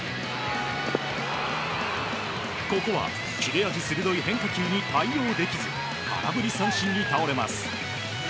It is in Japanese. ここは切れ味鋭い変化球に対応できず空振り三振に倒れます。